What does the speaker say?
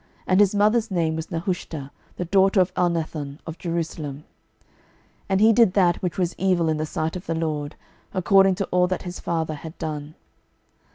And his mother's name was Nehushta, the daughter of Elnathan of Jerusalem. 12:024:009 And he did that which was evil in the sight of the LORD, according to all that his father had done.